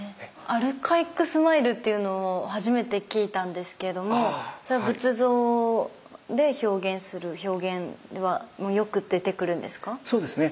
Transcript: アルカイックスマイルっていうのを初めて聞いたんですけどもそれは仏像で表現する表現ではよく出てくるんですか？